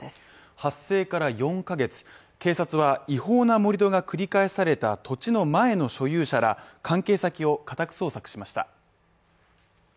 発生から４ヶ月、警察は違法な盛り土が繰り返された土地の前の所有者ら関係先を家宅捜索しました。